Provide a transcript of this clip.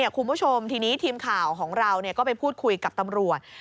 คุณผู้ชมทีนี้ทีมข่าวของเราก็ไปพูดคุยกับตำรวจ